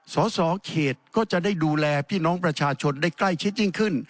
สสเขตก็จะได้ดูแลพี่น้องประชาชนได้ใกล้ชิดยิ่งขึ้น